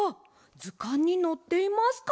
ずかんにのっていますか？